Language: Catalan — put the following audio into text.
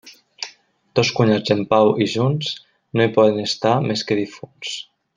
Dos cunyats en pau i junts no hi poden estar més que difunts.